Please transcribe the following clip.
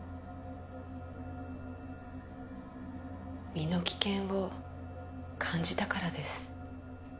身の危険を感じたからです。